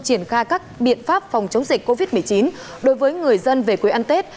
triển khai các biện pháp phòng chống dịch covid một mươi chín đối với người dân về quê ăn tết